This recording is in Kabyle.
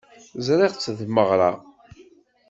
Ẓriɣ-tt deg tmeɣra.